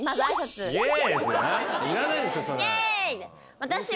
いらないですよそれ。